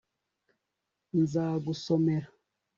nzagusomera